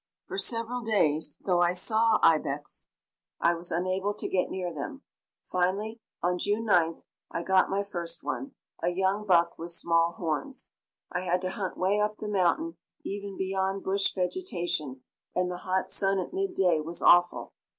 For several days, though I saw ibex, I was unable to get near them. Finally, on June 9th, I got my first one, a young buck with small horns. I had to hunt way up the mountain, even beyond bush vegetation, and the hot sun at midday was awful.